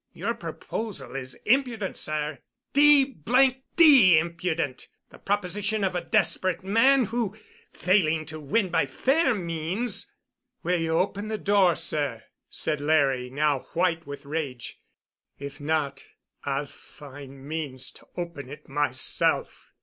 Your proposal is impudent sir, d—d impudent—the proposition of a desperate man who, failing to win by fair means——" "Will you open the door, sir?" said Larry, now white with rage. "If not, I'll find means to open it myself."